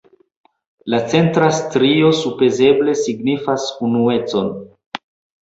La centra strio supozeble signifas unuecon.